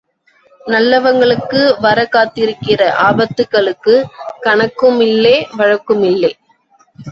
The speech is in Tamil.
நல்லவங்களுக்கு வரக்காத்திருக்கிற ஆபத்துக்களுக்குக் கணக்குமில்லே, வழக்குமில்லே.